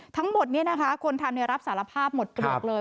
ทั้งหมดนี้นะคะควรทำในรับสารภาพหมดตรวจเลย